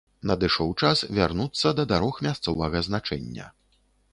Надышоў час вярнуцца да дарог мясцовага значэння.